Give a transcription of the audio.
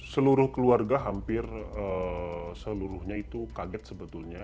seluruh keluarga hampir seluruhnya itu kaget sebetulnya